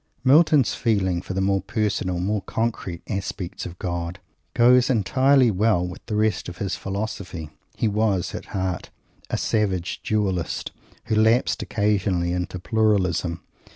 Milton's feeling for the more personal, more concrete aspects of "God" goes entirely well with the rest of his philosophy. At heart he was a savage Dualist, who lapsed occasionally into Pluralism.